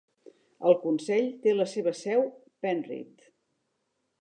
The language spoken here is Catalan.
El Consell té la seva seu Penrith.